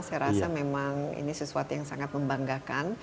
saya rasa memang ini sesuatu yang sangat membanggakan